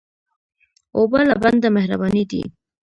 اوبه له بنده مهربانې دي.